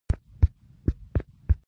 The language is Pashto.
تیږه ایښودل د امن نښه ده